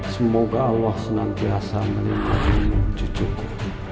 semoga allah senang biasa menikmati cucuku